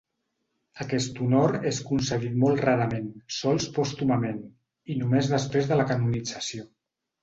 Aquest honor és concedit molt rarament, sols pòstumament, i només després de la canonització.